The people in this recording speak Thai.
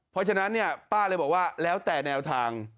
เพราะฉะนั้นเนี่ยป้าเลยบอกว่าแล้วแต่แนวทาง